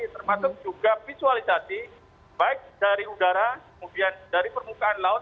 termasuk juga visualisasi baik dari udara kemudian dari permukaan laut